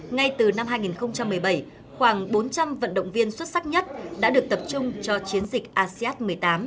ngay từ năm hai nghìn một mươi bảy khoảng bốn trăm linh vận động viên xuất sắc nhất đã được tập trung cho chiến dịch asean một mươi tám